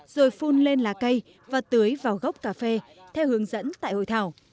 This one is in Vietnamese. rồi phun lên lá cây và tưới vào gốc cà phê theo hướng dẫn tại hội thảo